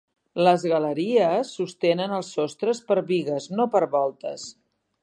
Les galeries sostenen els sostres per bigues, no per voltes.